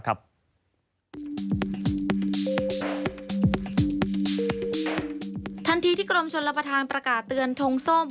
ทันทีที่กรมชนรับประทานประกาศเตือนทงส้ม